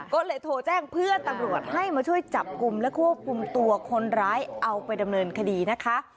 ก็เลยโทรแจ้งเพื่อนตำรวจให้มาช่วยจับกลุ่มและควบคุมตัวคนร้ายเอาไปดำเนินคดีนะคะ